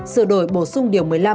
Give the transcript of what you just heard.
sự đổi bổ sung điều một mươi năm